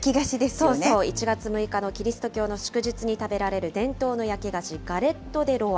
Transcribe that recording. そうそう、１月６日のキリスト教の祝日に食べられる伝統の焼き菓子、ガレット・デ・ロワ。